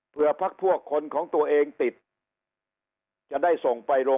เพื่อพักพวกคนของตัวเองติดจะได้ส่งไปโรง